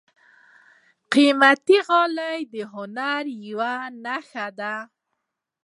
قیمتي غالۍ د هنر یوه نښه ده.